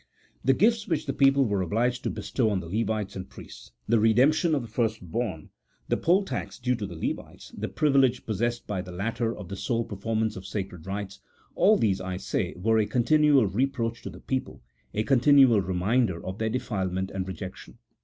The gifts which the people were obliged to bestow on the Levites and priests — the redemption of the firstborn, the poll tax due to the Levites, the privilege possessed by the latter of the sole performance of sacred rites — all these, I say, were a continual reproach to the people, a continual reminder of their defilement and rejection.